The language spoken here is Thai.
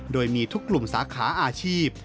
โดยมีทุกกลุ่มสาขาอาชีพ